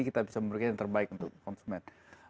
kita bisa memberikan yang terbaik untuk konsumen